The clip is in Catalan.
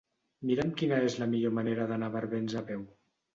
Mira'm quina és la millor manera d'anar a Barbens a peu.